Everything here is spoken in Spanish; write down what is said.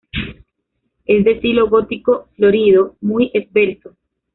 Es de estilo gótico florido, muy esbelto.